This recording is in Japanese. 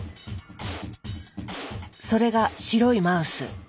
それが白いマウス。